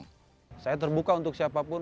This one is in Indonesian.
sekarang ini sudah sampai kelas